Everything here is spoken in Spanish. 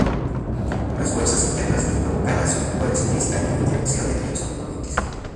Las fuerzas internas las provocadas por el ciclista y la interacción entre los componentes.